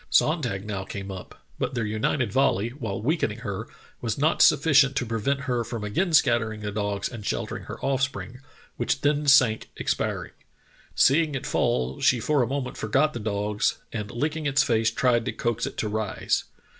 "Sonntag now came up, but their united volley, while weakening her, was not sufficient to prevent her from again scattering the dogs and sheltering her offspring, which then sank expiring. Seeing it fall, she for a moment forgot the dogs, and licking its face tried to coax it to rise.